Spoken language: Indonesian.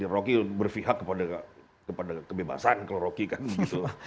rocky berpihak kepada kebebasan kalau rocky kan gitu